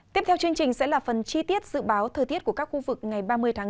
tiếp theo chương trình sẽ là phần chi tiết dự báo thời tiết của các khu vực ngày ba mươi tháng năm